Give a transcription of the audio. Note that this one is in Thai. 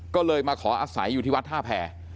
ก็เลยมาขออาศัยอยู่ที่วัดท่าแพร